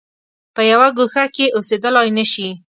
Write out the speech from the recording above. په یوه ګوښه کې اوسېدلای نه شي.